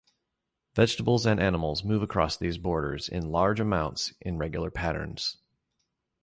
Vegetables and animals move across these borders in large amounts in regular patterns.